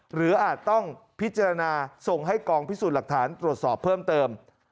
อาจต้องพิจารณาส่งให้กองพิสูจน์หลักฐานตรวจสอบเพิ่มเติม